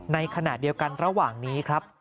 ในขณะเดียวกันระหว่างนี้ครับ